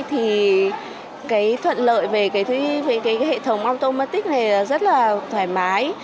thì cái thuận lợi về cái hệ thống automatic này là rất là thoải mái